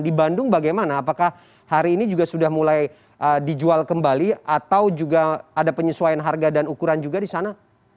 di bandung bagaimana apakah hari ini juga sudah mulai dijual kembali atau juga ada penyesuaian harga dan ukuran juga di sana